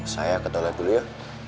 saya ketolak dulu ya